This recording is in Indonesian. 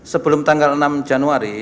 sebelum tanggal enam januari